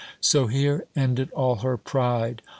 So here ended all her pride.